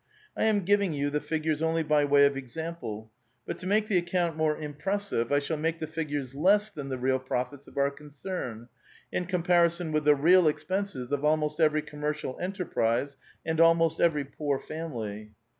I am giving you the figures only by way of example ; but to make the account more impressive, I shall make the figures less than the real profits of our concern, in comparison with the real expenses of almost eveiy commercial enterprise and almost every poor family.